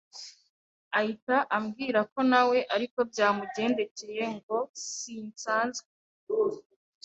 ahita ambwira ko nawe ariko byamugendekeye ngo sinsanzwe